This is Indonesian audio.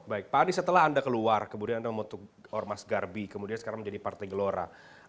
baik pak adi setelah anda keluar kemudian anda membentuk ormas garbi kemudian sekarang menjadi partai gelora